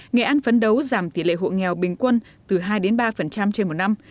nghệ an phấn đấu giảm tỷ lệ hộ nghèo bình quân từ hai ba trên một năm